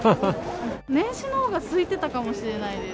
年始のほうがすいてたかもしれないです。